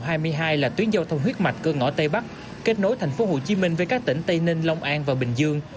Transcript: từ nay là tuyến giao thông huyết mạch cửa ngõ tây bắc kết nối thành phố hồ chí minh với các tỉnh tây ninh long an và bình dương